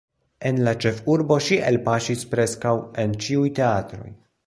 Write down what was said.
En la ĉefurbo ŝi elpaŝis preskaŭ en ĉiuj teatroj.